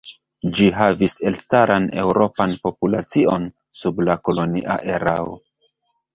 Ĝi havis elstaran eŭropan populacion sub la kolonia erao.